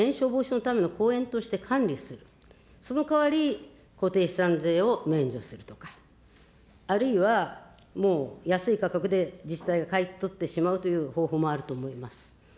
きゃくを働きかけるだけでなく、防災上、延焼防止のための公園として管理する、その代わり固定資産税を免除するとか、あるいはもう安い価格で自治体が買い取ってしまうという方法もあると思います。